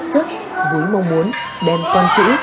sức với mong muốn đem con chữ